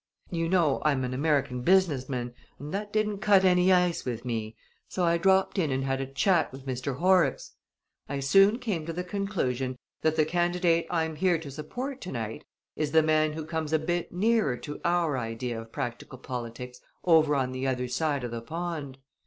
"You know I'm an American business man, and that didn't cut any ice with me; so I dropped in and had a chat with Mr. Horrocks. I soon came to the conclusion that the candidate I'm here to support to night is the man who comes a bit nearer to our idea of practical politics over on the other side of the pond.